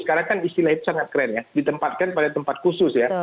karena kan istilah itu sangat keren ya ditempatkan pada tempat khusus ya